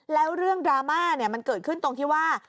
แล้วเรื่องดราม่ามันเกิดขึ้นตรงที่ว่า